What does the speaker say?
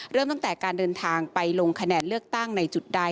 เริ่มตั้งแต่การเดินทางไปลงคะแนนเลือกตั้งในจุดใด